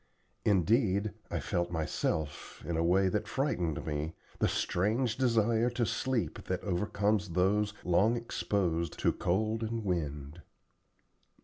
Indeed, I felt myself, in a way that frightened me, the strange desire to sleep that overcomes those long exposed to cold and wind.